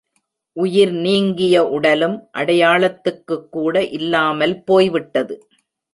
உயிர் நீங்கிய உடலும் அடையாளத்துக்குக் கூட இல்லாமால் போய் விட்டது.